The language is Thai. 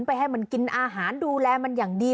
ไปให้มันกินอาหารดูแลมันอย่างดี